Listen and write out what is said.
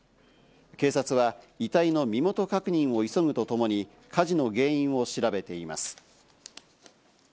警察は遺体の身元確認を急ぐとともに火事の原因を調べています。